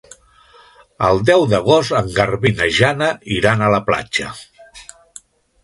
El deu d'agost en Garbí i na Jana iran a la platja.